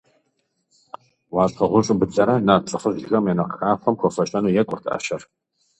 Уащхъуэ гъущӏу быдэрэ, нарт лӏыхъужьхэм я нэхъ хахуэм хуэфэщэну екӏурт ӏэщэр.